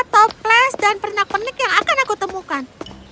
toples dan pernak pernik yang akan aku temukan